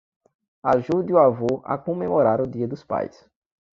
Ajude o avô a comemorar o dia dos pais